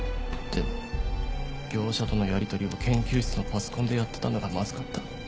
でも業者とのやり取りを研究室のパソコンでやってたのがまずかった。